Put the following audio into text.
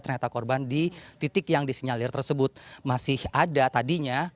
ternyata korban di titik yang disinyalir tersebut masih ada tadinya